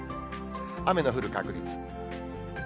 雨の降る確率。